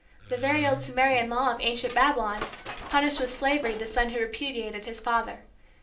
The very old Sumerian law of ancient Babylon punished with slavery the son who repudiated his father.